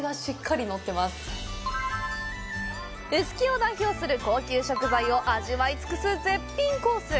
臼杵を代表する高級食材を味わい尽くす絶品コース。